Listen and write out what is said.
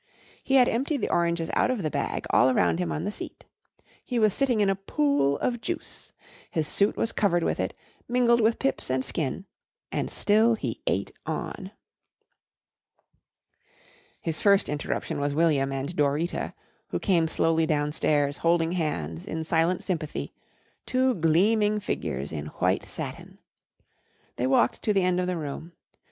He had emptied the oranges out of the bag all around him on the seat. He was sitting in a pool of juice. His suit was covered with it, mingled with pips and skin, and still he ate on. His first interruption was William and Dorita, who came slowly downstairs holding hands in silent sympathy, two gleaming figures in white satin. They walked to the end of the room.